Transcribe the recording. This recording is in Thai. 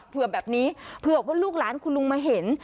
เผื่อแบบนี้เผื่อว่าลูกหลานคุณลุงมาเห็น